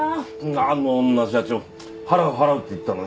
あの女社長払う払うって言ったのに。